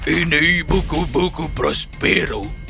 ini buku buku prospero